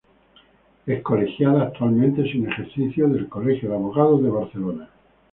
Es colegiada, actualmente sin ejercicio, del Colegio de Abogados de Barcelona.